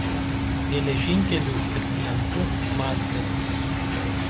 Geležinkelių ir plentų mazgas.